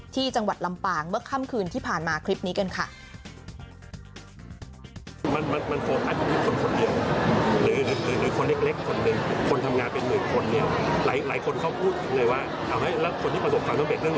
ที่จังหวัดลำปางเมื่อค่ำคืนที่ผ่านมาคลิปนี้กันค่ะ